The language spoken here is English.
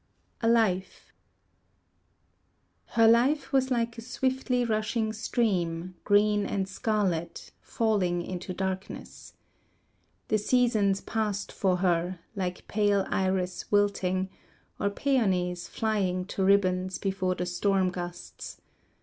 A Life Her life was like a swiftly rushing stream Green and scarlet, Falling into darkness. The seasons passed for her, Like pale iris wilting, Or peonies flying to ribbons before the storm gusts.